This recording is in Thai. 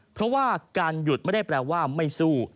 เพราะว่าการหยุดไม่ได้แปลว่าไม่สู้